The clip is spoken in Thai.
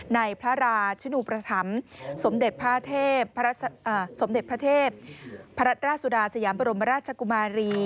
ในพระราชนุประธรรมสมเด็จพระเทพพระราชราสุดาสยามปรมราชกุมารี